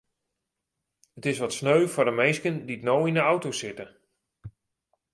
It is wat sneu foar de minsken dy't no yn de auto sitte.